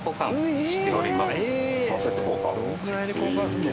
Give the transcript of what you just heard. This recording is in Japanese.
どれぐらいで交換するの？